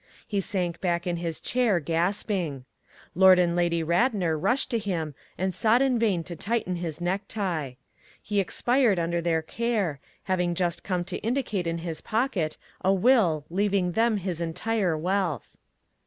He sank back in his chair, gasping. Lord and Lady Radnor rushed to him and sought in vain to tighten his necktie. He expired under their care, having just time to indicate in his pocket a will leaving them his entire wealth.